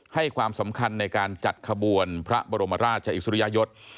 ให้ความสำคัญในการจัดขบวนพระบรมราชอิสริยยศ